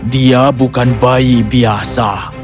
dia bukan bayi biasa